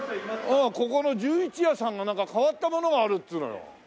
ああここの十一屋さんがなんか変わったものがあるっつうのよ。